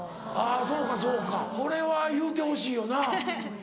あそうかそうかこれは言うてほしいよな。